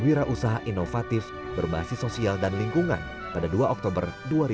wira usaha inovatif berbasis sosial dan lingkungan pada dua oktober dua ribu dua puluh